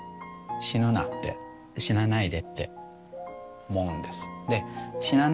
死ぬなって死なないでって思うんです。